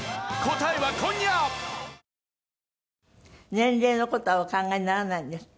年齢の事はお考えにならないんですって？